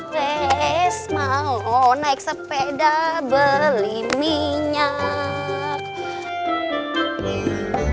resma lo naik sepeda beli minyak